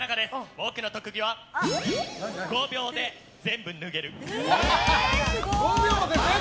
僕の特技は５秒で全部脱げる。